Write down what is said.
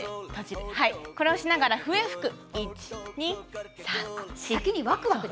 これをしながら笛を吹く。